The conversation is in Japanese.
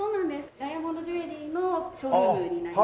ダイヤモンドジュエリーのショールームになります。